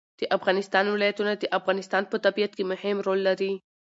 د افغانستان ولايتونه د افغانستان په طبیعت کې مهم رول لري.